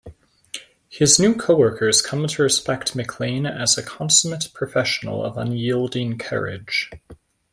His new coworkers come to respect McClain as a consummate professional of unyielding courage.